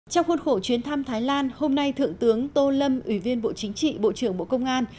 trong khuôn khổ chuyến thăm thái lan hôm nay thượng tướng tô lâm ủy viên bộ chính trị bộ trưởng bộ công an